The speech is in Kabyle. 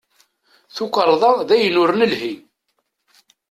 Tukarḍa d ayen ur nelhi.